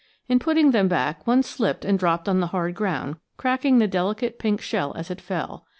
In putting them back one slipped and dropped on the hard ground, cracking the delicate pink shell as it fell.